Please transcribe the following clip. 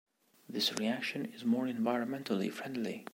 This reaction is more environmentally friendly.